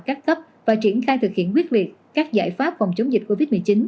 các cấp và triển khai thực hiện quyết liệt các giải pháp phòng chống dịch covid một mươi chín